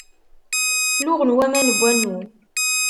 Luɣen waman n wannu.